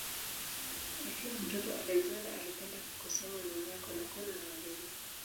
Akiwa mtoto Alexander alipenda kukusanya mimea, konokono na wadudu.